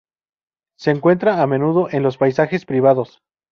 Se encuentra a menudo en los paisajes privados.